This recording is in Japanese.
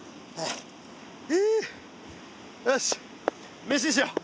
よし飯にしよう。